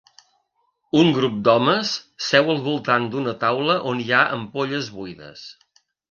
Un grup d'homes seu al voltant de una taula on hi ha ampolles buides